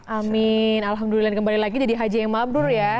amin alhamdulillah kembali lagi jadi haji yang mabrur ya